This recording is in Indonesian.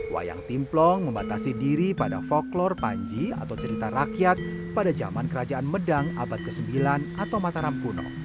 wayang timplong membatasi diri pada foklor panji atau cerita rakyat pada zaman kerajaan medang abad ke sembilan atau mataram kuno